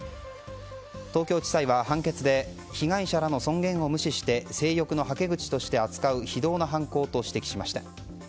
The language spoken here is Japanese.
東京地裁は判決で被害者らの尊厳を無視して性欲のはけ口として扱う非道な犯行と指摘しました。